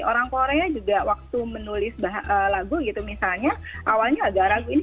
orang korea juga waktu menulis lagu gitu misalnya awalnya agak ragu ini